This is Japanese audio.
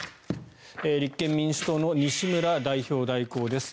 立憲民主党の西村代表代行です。